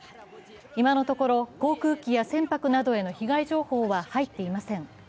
今のところ、航空機や船舶などへの被害情報は入っていません。